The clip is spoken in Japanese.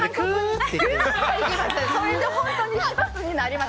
そうすると本当に１つになります。